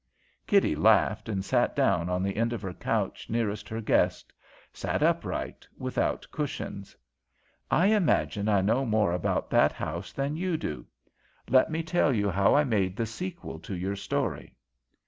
Kitty laughed, and sat down on the end of her couch nearest her guest; sat upright, without cushions. "I imagine I know more about that house than you do. Let me tell you how I made the sequel to your story.